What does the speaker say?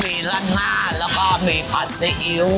มีราดหน้าแล้วก็มีผัดซีอิ๊ว